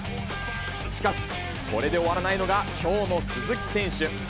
しかし、これで終わらないのがきょうの鈴木選手。